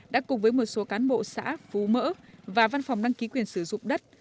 đã cùng với một số cán bộ xã phú mỡ và văn phòng đăng ký quyền sử dụng đất